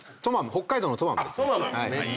北海道のトマムですね。